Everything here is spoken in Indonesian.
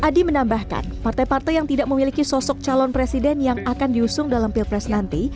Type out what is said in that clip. adi menambahkan partai partai yang tidak memiliki sosok calon presiden yang akan diusung dalam pilpres nanti